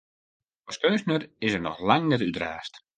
As keunstner is er noch lang net útraasd.